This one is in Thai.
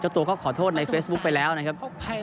ตัวก็ขอโทษในเฟซบุ๊คไปแล้วนะครับ